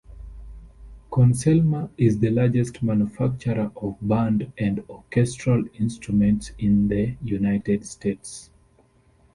Conn-Selmer is the largest manufacturer of band and orchestral instruments in the United States.